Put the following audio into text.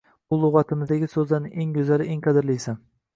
Bu luga‘timizdagi so‘zlarning eng go‘zali, eng qadrlisi